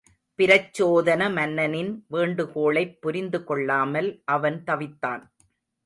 பிரச்சோதன மன்னனின் வேண்டுகோளைப் புரிந்துகொள்ளாமல் அவன் தவித்தான்.